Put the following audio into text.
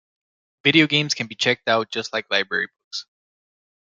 Video games can be checked out just like library books.